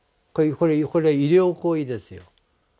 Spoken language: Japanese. これ医療行為ですよ。